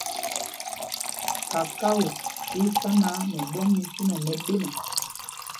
Kakao í í sá náǎ, mɛɓɔ́m mɛ ísinɛŋ i ɓéna.